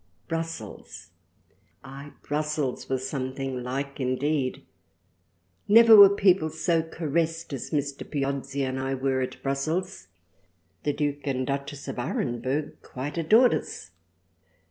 Brussells ! Ay Brussells was something like indeed : never were people so caressed as Mr. Piozzi and I were at Brussells. The Duke and Duchess of Arenburg quite adored us.